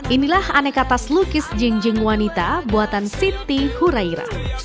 inilah aneka tas lukis jinjing wanita buatan siti huraira